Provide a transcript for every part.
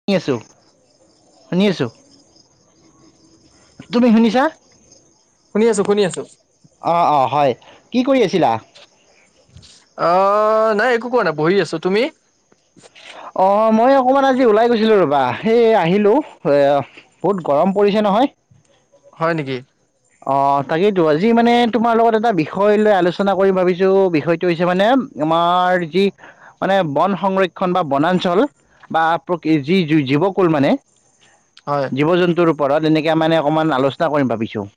শুনি আছো শুনি আছো। তুমি শুনিছা? শুনি আছো শুনি আছো। অঁ অঁ হয়, কি কৰি আছিলা? অ নাই একো কোৱা নাই বহি আছো। তুমি? অ মই অকণমান আজি ওলাই গৈছিলো ৰবা এই আহিলো, এ বহুত গৰম পৰিছে নহয়। হয় নেকি? অ তাকেইেতো, আজি মানে তোমাৰ লগত এটা বিষয় লৈ আলোচনা কৰি ভাবিছো বিষয়টো হৈছে মানে, আমাৰ যি মানে বন সংৰক্ষণ, বা বনাঞ্চল, বা প্ৰকৃ যি জীৱকুল মানে, হয় জীৱ জন্তুৰ উ পঢ়াত এনেকে মানে অকণমান আলোচনা কৰিম ভাবিছোঁ।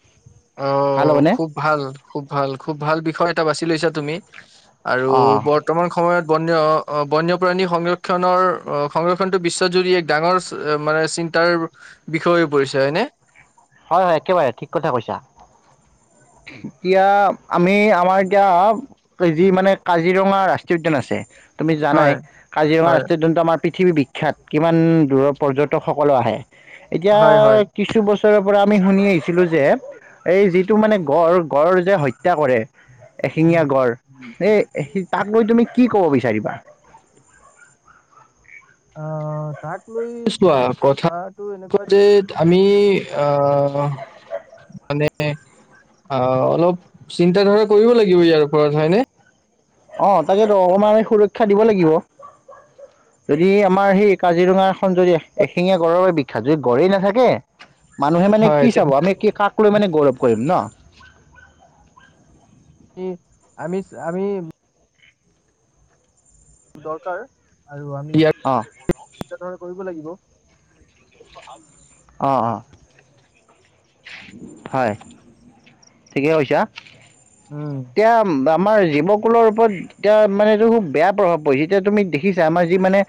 অ খুব ভাল, খুব ভাল, খুব ভাল বিষয় এটা বাছি লৈছা। তুমি আৰু অ বৰ্তমান সময়ত। বন্য বন্যপ্ৰাণী সংৰক্ষণৰ সংৰক্ষণটো বিশ্বত জুৰি এক ডাঙৰ মানে চিন্তাৰ বিষয় হৈ পৰিছে হয়নে? হয় হয় একেবাৰে ঠিক কথা কৈছা। এতিয়া আমি আমাৰ এতিয়া যি মানে কাজিৰঙা ৰাষ্ট্ৰীয় উদ্যান আছে, তুমি জানাই হয় কাজিৰঙা হয় ৰাষ্ট্ৰীয় উদ্যানটো আমাৰ, পৃথিৱী বিখ্যাত কিমান দূৰৰ পৰ্যটকসকলো আহে। এতিয়া হয় হয় কিছু বছৰৰ পৰা। আমি শুনি আহিছিলো যে, এই যিটো মানে গঁড়, গঁড় যে হত্যা কৰে, এশিঙীয়া হয় গড় এই তাক লৈ তুমি কি ক'ব বিচাৰিবা? আহ তাক লৈ চোৱা কথাটো এনেকুৱা যে, আমি আহ মানে আহ অলপ চিন্তা ধাৰা কৰিব লাগিব ইয়াৰ ওপৰত হয়নে? অ তাকেটো অকণমান আমি সুৰক্ষা দিব লাগিব। যদি আমাৰ সেই কাজিৰঙা খন যদি এশিঙীয়া গড়ৰ পৰা বিখ্যাত যদি গড়েই নাথাকে মানুহে মানে হয় কি চাব, আমি কি কাক লৈ মানে। গৌৰৱ কৰিম ন! আমি আমিছ আমি। দৰকাৰ আৰু আমি অ ইয়াক ণে কৰিব লাগিব [unintelligible] অঁ অঁ হয়, ঠিকে কৈছা। উম এতিয়া বা আমাৰ জীৱকুলৰ ওপৰত এতিয়া মানে এইটো খুব বেয়া প্ৰভাৱ পৰিছে, এতিয়া তুমি দেখিছা আমাৰ যি মানে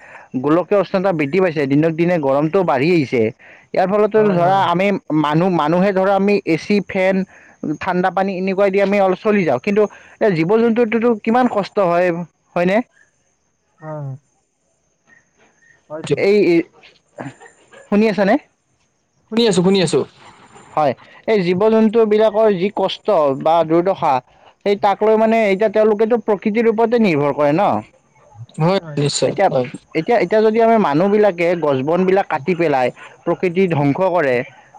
গোলকীয় উষ্ণতা বৃদ্ধি পাইছে দিনক দিনে গৰমটো বাঢ়ি আহিছে ইয়াৰ ফলতো হয় ধৰা হয় আমি মানুহ মা মানুহে ধৰা অমি এচি ফেন ঠাণ্ডা পানী এনেকুৱাই দি আমি চলি যাওঁ, কিন্তু জীৱ জন্তুটো ত কিমান কষ্ট হয় হয় নে? অহ। এই শুনি আছা নে? শুনি আছোঁ শুনি আছোঁ। হয় এই জীৱ জন্তু বিলাকৰ যি কষ্ট বা দুৰ্দশা এই তাক লৈ মানে এতিয়া তেওঁলোকেটো প্ৰকৃতিৰ ওপৰতে নিৰ্ভৰ কৰে ন। হয় নিশ্চয় এতিয়া হয়। এতিয়া এতিয়া যদি আমি মানুহবিলাকে গছ বনবিলাক কাটি পেলাই, প্ৰকৃতি ধ্বংস কৰে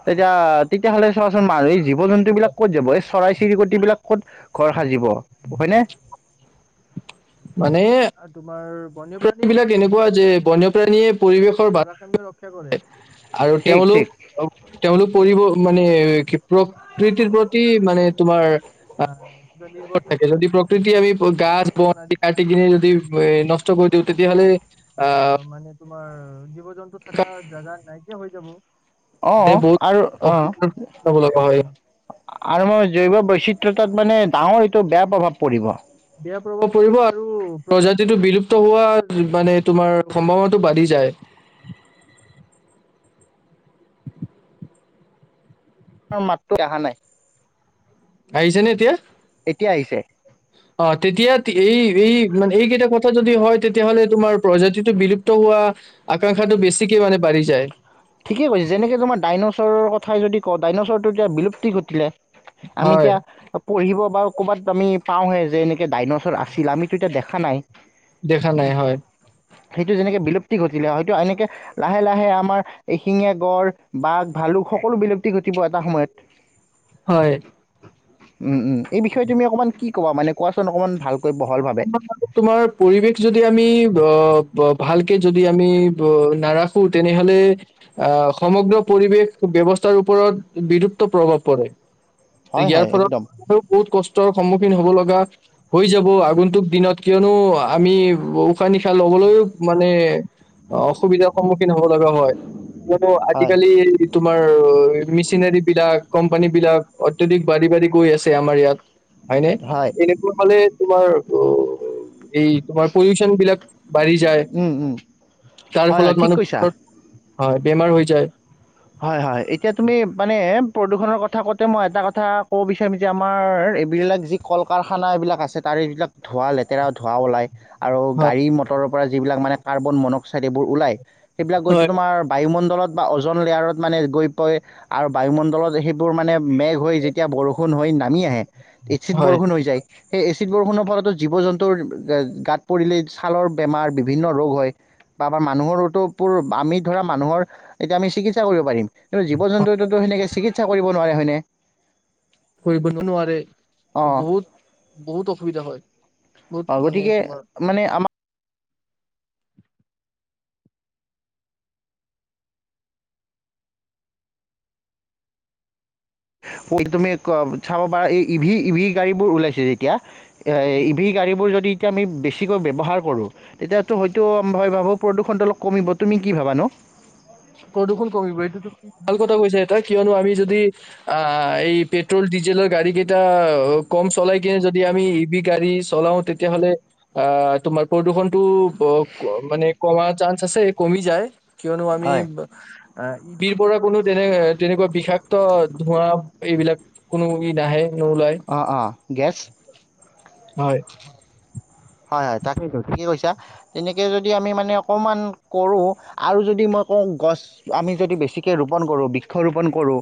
তেতিয়া তেতিয়াহ'লে চোৱাচোন মানুহ এই জীৱ জন্তু বিলাক ক'ত যাব এই চৰাই চিৰিকট বিলাক ক'ত ঘৰ সাজিব হয়নে? মানে তোমাৰ বন্যপ্ৰাণী বিলাক এনেকুৱা যে বনপ্ৰাণীয়ে পৰিৱেশৰ ভাৰাসাম্যতা ৰক্ষা কৰে। আৰু ঠিক তেওঁলোক ঠিক তেওঁলোক পৰিব মানে কি প্ৰকৃতিৰ প্ৰতি মানে তোমাৰ আহ কিবা নিৰ্ভৰ থাকে যদি প্ৰকৃতি আমি গাছ বন আদি কাটি কেনে যদি নষ্ট কৰি দিওঁ তেতিয়াহ'লে আহ মানে তোমাৰ জীৱ জন্তু থাকা জাগা নাই কীয়া হৈ যাব। অঁ আৰু অঁ বহুত লগা হয়। আৰু মই জৈৱ বৈচিত্ৰতাত মানে ডাঙৰ এইটো বেয়া প্ৰভাৱ পৰিব। বেয়া প্ৰভাৱ পৰিব আৰু প্ৰজাতিটো বিলুপ্ত হোৱা মানে তোমাৰ সম্ভাৱনাটো বাঢ়ি যায়। তোমাৰ মাতটো আহা নাই। আহিছে নে এতিয়া এতিয়া আহিছে অ তেতিয়া এই এই মানে এইকেইটা কথা যদি হয় তেতিয়াহ'লে তোমাৰ প্ৰজাতিটো বিলুপ্ত হোৱা আকাংক্ষাটো বেছিকে মানে বাঢ়ি যায়। ঠিকেই কৈছে যেনেকৈ তোমাৰ ডাইন'ছৰৰ কথাই যদি কওঁ ডাইন'ছৰটো এতিয়া বিলুপ্তি ঘটিলে। আমি হয় এতিয়া পঢ়িব বা ক'ৰবাত আমি পাওঁহে যে এনেকৈ ডাইনছৰ আছিল আমিতো এতিয়া দেখা নাই। দেখা নাই হয়। সেইটো যেনেকে বিলুপ্তি ঘটিলে, হয়তো এনেকে লাহে লাহে আমাৰ এশিঙীয়া গড়, বাঘ, ভালুক সকলো বিলুপ্তি ঘটিব এটা সময়ত। হয়। উম উম এই বিষয়ে তুমি অকণমান কি ক'বা মানে কোৱাচোন অকমান ভাল তোমাৰ পৰিৱেশ যদি আমি অ ভালকে যদি আমি নাৰাখো তেনেহলে আহ সমগ্ৰ পৰিৱেশ ব্যৱস্থাৰ ওপৰত বিলুপ্ত প্ৰভাৱ পৰে। হয় ইয়াৰ হয় ফলত একদম বহুত কষ্ট সন্মুখীন হব লগা হৈ যাব। আগন্তুক দিনত কিয়নো আমি উশাহ নিশাহ লবলৈও মানে অসুবিধাৰ সন্মুখীন হ'ব লগা হয়, কিয়নো হয় আজিকালি তোমাৰ মেচিনাৰী বিলাক কোম্পানী বিলাক অত্যাধিক বাঢ়ি বাঢ়ি গৈ আছে আমাৰ ইয়াত। হয় নে এনেকোৱা হ'লে ৰ' এই তোমাৰ পলিউশন বিলাক বাঢ়ি যায়, উম উম তাৰ হয় হয় ফলত ঠিক কৈছা মানুহ হয় বেমাৰ হৈ যায়। হয়, হয় এতিয়া তুমি মানে প্ৰদূষণৰ কথা কওঁতে মই এটা কথা ক'ব বিচাৰিম যে আমাৰ এইবিলাক যি কল কাৰখানা এইবিলাক আছে তাৰে এইবিলাক ধোঁৱা লেতেৰা, ধোঁৱা ওলায়। আৰু হয় গাড়ী মটৰৰ পৰা যিবিলাক মানে কাৰ্বন মনক্সাইড এইবোৰ ওলায়। সেইবিলাক গৈটো হয় তোমাৰ বায়ুমণ্ডল বা অ'জন লেয়াৰত মানে গৈ পয় আৰু বায়ুমণ্ডলত সেইবোৰ মানে মেঘ হৈ যেতিয়া বৰষুণ হৈ নামি আহে। ইচিত হয় বৰষুণ হৈ যায়। সেই এচিড বৰষুণৰ ফলতো জীৱ-জন্তুৰ গাত পৰিলে ছালৰ বেমাৰ বিভিন্ন ৰোগ হয় বা আমাৰ মানুহৰো আমি ধৰা মানুহৰ এতিয়া আমি চিকিৎসা কৰিব পাৰিম। কিন্ত জীৱ-জন্তুটোতোটো সেনেকে চিকিৎ ইচ্ছা কৰিব নোৱাৰে হয়নে। কৰিব নোৱাৰে অ বহুত বহুত অসুবিধা হয় অ বহুত মানে গতিকে তোমাৰ মানে তুমি চাব পাৰা এই ইভি ইভি গাড়ী বোৰ ওলাইছে যেতিয়া অ', ইভি গাড়ীবোৰ যদি আমি বেছিকৈ ব্যৱহাৰ কৰোঁ। তেতিয়াতো হয়তো ময় ভাবো প্ৰদূষণটো অলপ কমিব, তুমি কি ভাবা নো? প্ৰদূষণ কমিব এইটো তুমি ভাল কথা কৈছা এটা কিয়নো আমি যদি অহ, এই পেট্ৰল ডিজেলৰ গাড়ী কেইটা কম চলাই কিনে যদি আমি ইভি গাড়ী চলাও তেতিয়াহ'লে অহ, তোমাৰ প্ৰদূষণতটো মানে কমাৰ চান্স আছে কমি যায়। কিয়নো আমি হয় অ', পিৰ পৰা অ', কোনো তেনে তেনেকুৱা বিষাক্ত ধোঁৱা এইবিলাক কোনো ই নাহে। নোলায় অ', অ', গেছ হয়। হয়, হয় তাকেইটো ঠিকেই কৈছা তেনেকৈ যদি আমি মানে অকণমান কৰোঁ আৰু যদি মই কওঁ গছ আমি যদি বেছিকৈ ৰোপণ কৰোঁ বৃক্ষৰোপণ কৰোঁ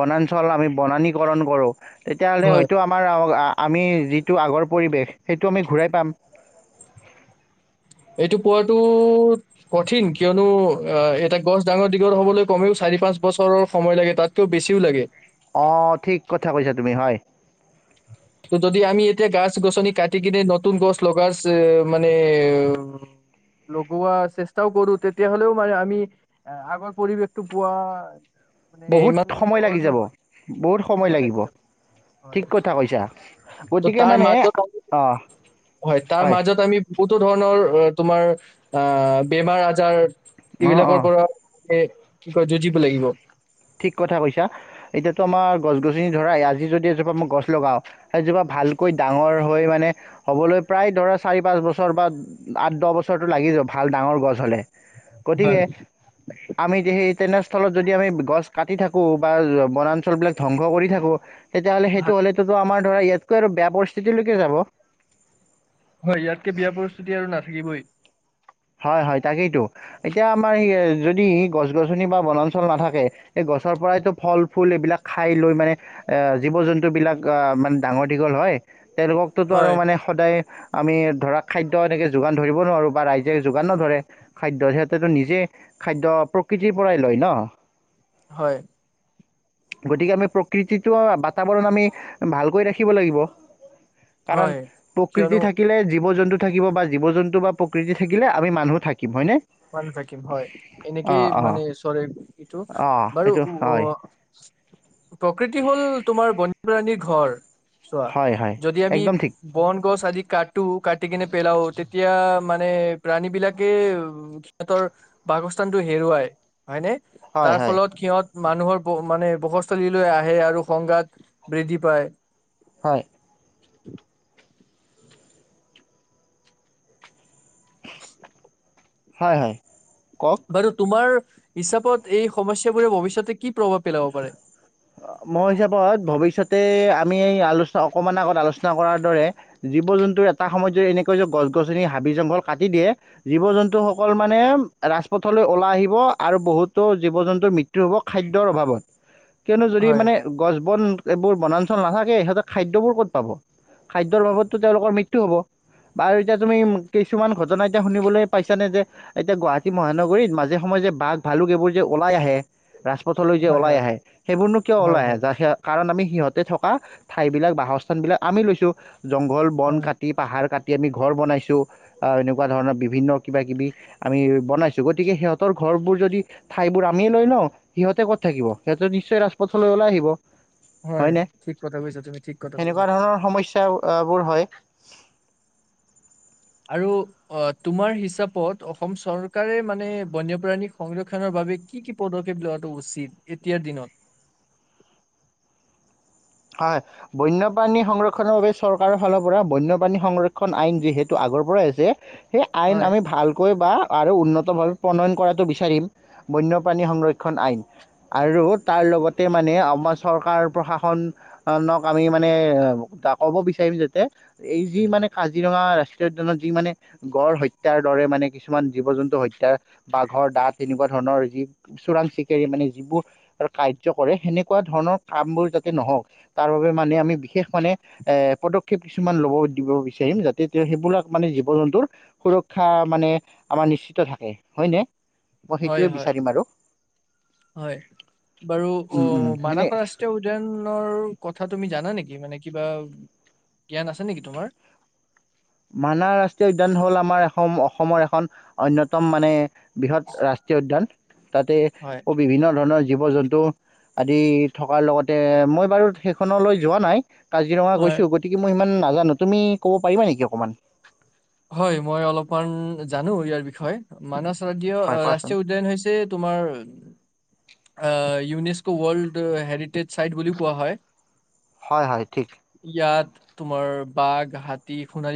বনাঞ্চল আমি বননীকৰণ কৰোঁ তেতিয়াহ'লে হয় হয়তো আমাৰ অ', আ আমি যিটো আগৰ পৰিৱেশ সেইটো আমি ঘূৰাই পাম। এইটো পোৱাটো কঠিন কিয়নো অহ, এটা গছ ডাঙৰ দীঘল হ'বলৈ কমেও চাৰি পাঁচ বছৰৰ সময় লাগে তাতকেও বেছিও লাগে। অ', ঠিক কথা কৈছা তুমি, হয়। ত' যদি আমি এতিয়া গাছ গছনি কাটি কিনে নতুন গছ লগাৰ মানে লগোৱা চেষ্টাও কৰো তেতিয়াহ'লেও মানে আমি এ আগৰ পৰিৱেশটো পোৱা মানে বহুত ইমান সময় সহজ লাগি যাব, নহয় বহুত সময় লাগিব ঠিক কথা কৈছা ত' গতিকে তাৰ মানে মাজত অঁ হয় তাৰ মাজত আমি বো ধৰণৰ তোমাৰ অহ, বেমাৰ আজাৰ অঁ এইবিলাকৰ অঁ পৰা স ঠিক কথা কৈছা এতিয়াতো আমাৰ গছ গছনি ধৰা আজি যদি এজোপা মই গছ লগাওঁ এজোপা ভালকৈ ডাঙৰ হৈ মানে হ'বলৈ প্ৰায় ধৰা চাৰি পাঁচ বছৰ বা আঠ দহ বছৰটো লাগি যাব ভাল ডাঙৰ গছ হ'লে গতিকে হয় আমি সেই তেনে লত যদি আমি গছ কাটি থাকোঁ বা বনাঞ্চলবিলাক ধ্বংস কৰি থাকোঁ তেতিয়াহ'লে সেইটো হলেতোত আমাৰ [inaudible] হয় ইয়াতকে বিয়া পৰিস্থিতি আৰু নাথাকিবই। হয় হয় তাকেইতো এতিয়া আমাৰ যদি গছ গছনি বা বনাঞ্চল নাথাকে এই গছৰ পৰাইতো ফল ফুল এইবিলাক খাই লৈ মানে এ জীৱ জন্তু বিিলাক আহ মানে ডাঙৰ দীঘল হয় তেওঁলোককতোতো হয় আৰু মানে সদায় আমি ধৰক খাদ্য এনেকৈ যোগান ধৰিব নোৱাৰোঁ বা ৰাইজ নিজে যোগান ন ধৰে খাদ্য সিহঁতেতো নিজে খাদ্য প্ৰকৃতিৰ পৰাই লয় ন হয় গতিকে আমি প্ৰকৃতিটো বাতাবৰণ আমি ভালকৈ ৰাখিব লাগিব কাৰণ হয় কিয়নো প্ৰকৃতি থাকিলে জীৱ জন্তু থাকিব বা জীৱ জন্তু বা প্ৰকৃতি থাকিলে আমি মানুহ থাকিম হয় নে মান থাকিম হয় এনেকেই অঁ মানে চৰে এইটো অ' বাৰু এইটো অ হয়, প্ৰকৃতি হ'ল তোমাৰ বন্যপ্ৰাণীৰ ঘৰ চোৱা হয়, হয়, যদি আমি একদম ঠিক। বন গছ আদি কাটোো ক কাটি কিনে পেলাও তেতিয়া মানে প্ৰাণী বিলাকে উ সিহঁতৰ বাসস্থানটো হেৰুৱাই হয়নে হয়, তাৰ হয়। ফলত সিহঁত মানুহৰ মানে বসস্থলীলৈ আহে আৰু সংঘাত বৃদ্ধি পায় হয় উ হয় হয় কওক। বাৰু তোমাৰ হিচাপত এই সমস্যাবোৰে ভৱিষ্যতে কি প্ৰভাৱ পেলাব পাৰে মই হিচাপত ভৱিষ্যতে আমি এই আলোচনা অকণমান আগত আলোচনা কৰাৰ দৰে জীৱ জন্তুৰ এটা সময়ত যদি এনেকৈ যে গছ গছনি হাবি জংঘল কাটি দিয়ে জীৱ জন্তুসকল মানে ৰাজপথলৈ ওলাই আহিব আৰু বহুতো জীৱ জন্তুৰ মৃত্যু হ'ব খাদ্যৰ অভাৱত কিয়নো যদি হয়, মানে গছ বন এইবোৰ বনাঞ্চল নাথাকে সিহঁতেৰ খাদ্যবোৰ ক'ত পাব খাদ্যৰ বাবততো তেওঁলোকৰ মৃত্যু হ'ব বাৰু এতিয়া তুমি কিছুমান ঘটনা এতিয়া শুনিবলৈ পাইছানে যে এতিয়া গুৱাহাটী মহানগৰীত মাজে সময়ে যে বাঘ ভালুক এইবোৰ যে ওলাই আহে ৰাজপথলৈ যে হয়, ওলাই হয়, আহে সেইবোৰনো কিয় হয়, ওলাই আহে হয়, য কাৰণ আমি সিহঁতে থকা ঠাইবিলাক বাসস্থানবিলাক আমি লৈছোঁ জংঘল বন হয়, কাটি পাহাৰ কাটি আমি ঘৰ বনাইছোঁ এনেকুৱা ধৰণৰ বিভিন্ন কিবা কিবি আমি বনাইছোঁ গতিকে সিহঁতৰ ঘৰবোৰ যদি ঠাইবোৰ আমিয়ে লৈ লওঁ সিহঁতে ক'ত থাকিব সিহঁত যদি নিশ্চয় ৰাজপথলৈ ওলাই আহিব হয় হয়নে ঠিক কথা কৈছা তুমি ঠিক কথা কৈছা বোৰ হয় আৰু তোমাৰ হিচাপত অসম চৰকাৰে মানে বন্যপ্ৰাণী সংৰক্ষণৰ বাবে কি কি পদক্ষেপ লোৱাটো উচিত এতিয়াৰ দিনত। হয় বন্যপ্ৰাণী সংৰক্ষণৰ বাবে চৰকাৰৰ ফালৰ পৰা বন্যপ্ৰাণী সংৰক্ষণ আইন যিহেতু আগৰ পৰাই আছে সেই আইন হয়। আমি ভালকৈ বা আৰু উন্নতভাৱে প্ৰণয়ন কৰাটো বিচাৰিম বন্যপ্ৰাণী সংৰক্ষণ আইন, আৰু তাৰ লগতে মানে আমাৰ চৰকাৰ প্ৰশাসন আক আমি মানে ক'ব বিচাৰিম যাতে এই যি মানে কাজিৰঙা ৰাষ্ট্ৰীয় উদয়ানত যি মানে গড় হত্যাৰ দৰে মানে কিছুমান জীৱ জন্তু হত্যাৰ বাঘৰ দাঁত তেনেকুৱা ধৰণৰ যি চোৰাং চিকেৰি মানে যিবোৰ কাৰ্য কৰে সেনেকুৱা ধৰণৰ কামবোৰ যাতে নহওক। তাৰ বাবে মানে আমি বিশেষ মানে এ পদক্ষেপ কিছুমান ল'ব দিব বিচাৰিম যাতে তেওঁ সেইবিলাক মানে জীৱ জন্তুৰ সুৰক্ষা মানে আমাৰ নিশ্চিত থাকে হয়নে? মই হয় সেইটোৱে হয় বিচাৰিম আৰু হয় বাৰু অ উম উম সেনে মানস ৰাষ্ট্ৰীয় উদ্যানৰ কথা তুমি জানা নেকি মানে কিবা জ্ঞান আছে নেকি তোমাৰ মানা ৰাষ্ট্ৰীয় উদ্যান হ'ল আমাৰ এ অসমৰ এখন অন্যয়তম মানে বৃহৎ ৰাষ্ট্ৰীয় উদ্যান। তাতে হয়, অ বিভিন্ন ধৰণৰ জীৱ জন্তু আদি থকাৰ লগতে মই বাৰু সেইখনলৈ যোৱা নাই কাজিৰঙা হয়, গৈছো গতিকে মই ইমান নাজানো তুমি ক'ব পাৰা নেকি অকণমান হয় মই অলপমান জানো ইয়াৰ বিষয়ে মান আৰীয় হয় কোৱাচোন ৰাষ্ট্ৰীয় উদ্যান হৈছে তোমাৰ ইউনেস্কো ৱৰ্ল্ড হেৰিটেজ চাইট বুলিও কোৱা হয় হয় হয় ঠিক ইয়াত তোমাৰ বাঘ হাতী সোণাৰী